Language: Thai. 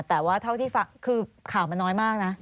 แต่ว่าเท่าที่ฟังคือข่าวมันน้อยมากนะ